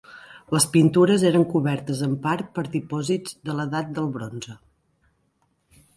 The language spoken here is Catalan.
Les pintures eren cobertes en part per dipòsits de l'edat del Bronze.